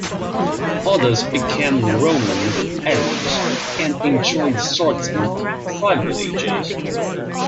Others became Roman allies and enjoyed certain privileges.